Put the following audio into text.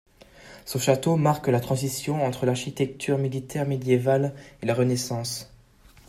Son château marque la transition entre l'architecture militaire médiévale et la Renaissance.